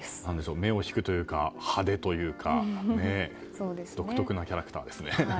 目を引くというか派手というか独特なキャラクターですよね。